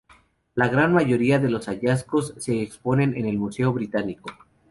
La gran mayoría de los hallazgos se exponen en el Museo Británico.